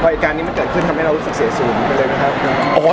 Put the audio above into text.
เพราะไอ้การนี้เมื่อเกิดขึ้นทำให้เรารู้สึกเสียศูนย์ไปเลยนะครับ